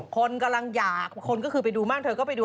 คนกำลังหย่าคนก็คือไปดูมากเธอก็ไปดู